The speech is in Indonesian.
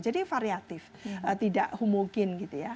jadi variatif tidak humugin gitu ya